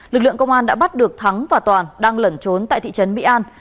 lực lượng công an đã bắt được thắng và toàn đang lẩn trốn tại thị trấn mỹ an